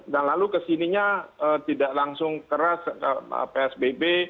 nah lalu kesininya tidak langsung keras psbb